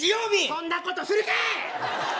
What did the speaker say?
そんなことするかい！